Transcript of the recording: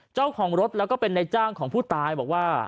เจ้าของรถแล้วก็เป็นในจ้างของผู้ตายบอกว่า